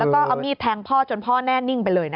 แล้วก็เอามีดแทงพ่อจนพ่อแน่นิ่งไปเลย